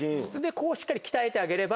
ここをしっかり鍛えてあげれば。